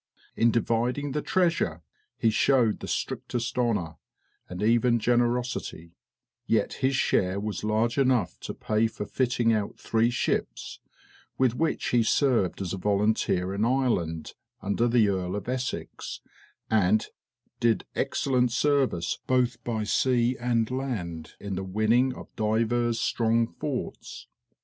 In dividing the treasure he showed the strictest honor, and even generosity; yet his share was large enough to pay for fitting out three ships, with which he served as a volunteer in Ireland, under the Earl of Essex, and "did excellent service both by sea and land in the winning of divers strong forts."